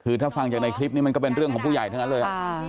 คือถ้าฟังจากในคลิปนี้มันก็เป็นเรื่องของผู้ใหญ่ทั้งนั้นเลย